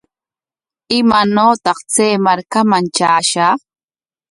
¿Imaanawtaq chay markaman traashaq?